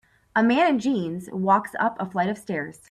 A man in jeans walks up a flight of stairs.